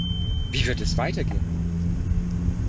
Wie wird es weitergehen?